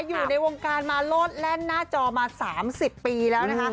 อยู่ในวงการมาโลดแล่นหน้าจอมา๓๐ปีแล้วนะคะ